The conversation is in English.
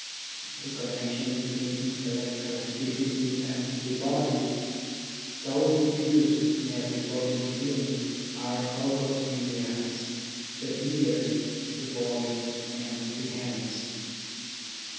The connections between intellectual activity and the body, though diffused in every bodily feeling, are focussed in the eyes, the ears, the voice, and the hands.